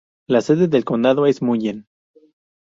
La sede del condado es Mullen.